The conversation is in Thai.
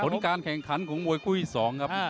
หัวในการแข่งขันของมวยคู่ที่๒